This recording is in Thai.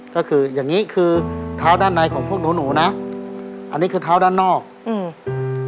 ก็คืออย่างงี้คือเท้าด้านในของพวกหนูหนูนะอันนี้คือเท้าด้านนอกอืม